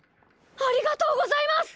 ありがとうございます！